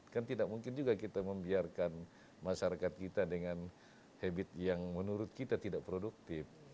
kan tidak mungkin juga kita membiarkan masyarakat kita dengan habit yang menurut kita tidak produktif